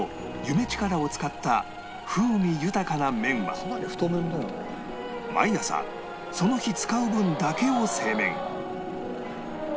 ちからを使った風味豊かな麺は毎朝その日使う分だけを製麺